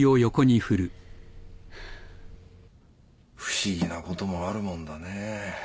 不思議なこともあるもんだね。